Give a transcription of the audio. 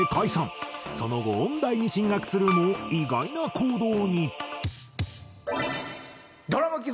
その後音大に進学するも意外な行動に。